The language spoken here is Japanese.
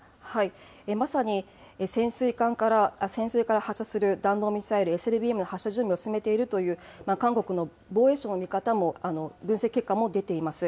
まさに潜水艦から発射する弾道ミサイル、ＳＬＢＭの発射準備を進めているという韓国の防衛省の見方も、分析結果も出ています。